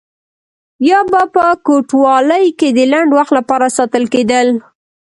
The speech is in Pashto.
یا به په کوټوالۍ کې د لنډ وخت لپاره ساتل کېدل.